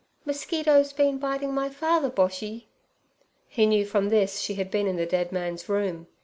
'Mosquitoes been biting my father, Boshy?' He knew from this she had been in the dead man's room.